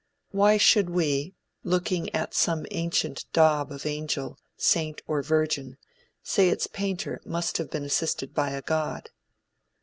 Why should we, looking at some ancient daub of angel, saint or virgin, say its painter must have been assisted by a god?